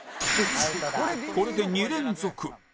これで２連続